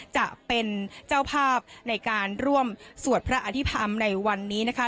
จะเป็นเจ้าภาพในการร่วมสวดพระอภิษฐรรมในวันนี้นะคะ